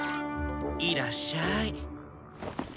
いらっしゃーい。